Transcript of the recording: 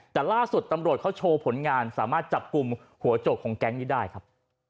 แต่ล่าสุดตำรวจเขาโชว์ผลงานสามารถจับกลุ่มหัวโจกของแก๊งนี้ได้ครับ